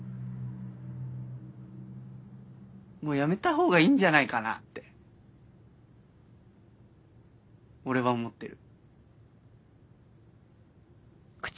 もうやめた方がいいんじゃないかなって俺は思ってる。